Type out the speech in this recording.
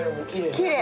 きれい。